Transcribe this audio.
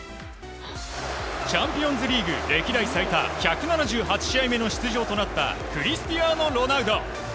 チャンピオンズリーグ歴代最多１７８試合目の出場となったクリスティアーノ・ロナウド。